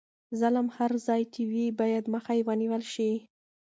ظلم هر ځای چې وي باید مخه یې ونیول شي.